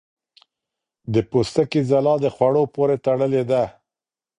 د پوستکي ځلا د خوړو پورې تړلې ده.